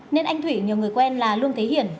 nên anh thủy nhờ người quen là lương thế hiển